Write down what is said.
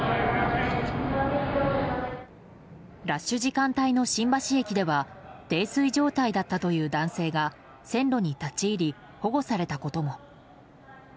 ラッシュ時間帯の新橋駅では泥酔状態だったという男性が線路に立ち入り保護されたことも。